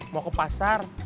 mau ke pasar